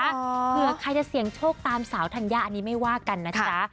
เผื่อใครจะเสี่ยงโชคตามสาวธัญญาอันนี้ไม่ว่ากันนะจ๊ะ